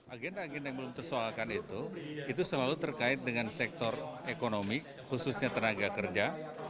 agenda agenda yang belum tersoalkan itu itu selalu terkait dengan sektor ekonomi khususnya tenaga kerja